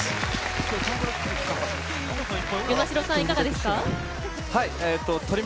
與那城さんいかがですか？